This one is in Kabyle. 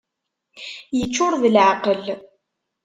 Iččur d leεqel!